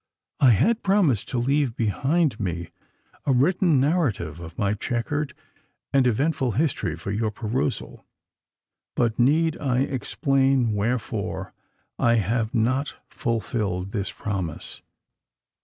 "I had promised to leave behind me a written narrative of my chequered and eventful history for your perusal: but—need I explain wherefore I have not fulfilled this promise?"